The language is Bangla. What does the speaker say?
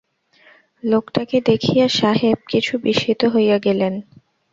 লোকটাকে দেখিয়া সাহেব কিছু বিস্মিত হইয়া গেলেন।